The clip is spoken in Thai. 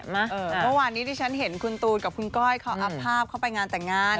เมื่อวานนี้ที่ฉันเห็นคุณตูนกับคุณก้อยเขาอัพภาพเข้าไปงานแต่งงาน